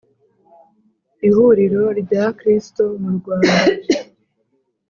Ihuriro rya kristo mu Rwanda